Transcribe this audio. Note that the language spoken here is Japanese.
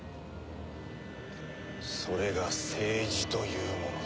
それが政治というものだ。